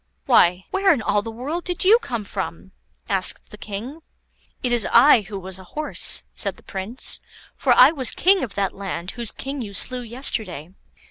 "Why, where in all the world did you come from?" asked the King. "It was I who was a horse," said the Prince; "for I was king of that land whose king you slew yesterday.